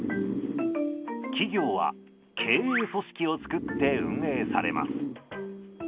企業は経営組織を作って運営されます。